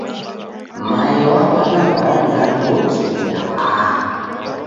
Mae wa w'ana w'arandadu okiria aha!